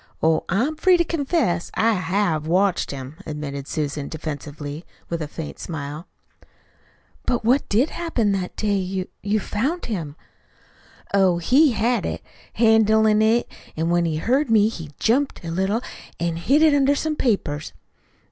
Oh, I'm free to confess I HAVE watched him," admitted Susan defensively, with a faint smile. "But what did happen that day you you found him?" "Oh, he had it, handlin' it, an' when he heard me, he jumped a little, an' hid it under some papers.